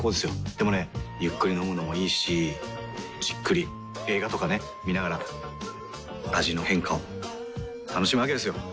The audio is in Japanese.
でもねゆっくり飲むのもいいしじっくり映画とかね観ながら味の変化を楽しむわけですよ。